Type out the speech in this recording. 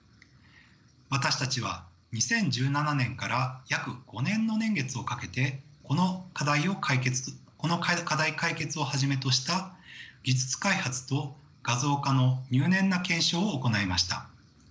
私たちは２０１７年から約５年の年月をかけてこの課題解決をはじめとした技術開発と画像化の入念な検証を行いました。